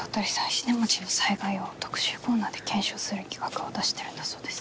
石音町の災害を特集コーナーで検証する企画を出してるんだそうです。